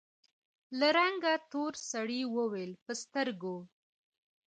له رنګه تور سړي وويل: په سترګو!